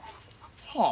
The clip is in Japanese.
はあ。